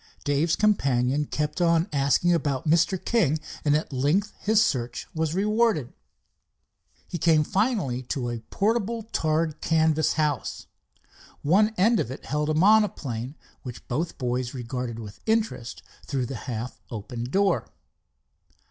Dave's companion kept on asking about Mr. King, and at length his search was rewarded. He came finally to a portable tarred canvas house. One end of it held a monoplane, which both boys regarded with interest through the half open door.